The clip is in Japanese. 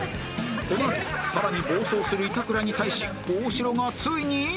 このあと更に暴走する板倉に対し大城がついに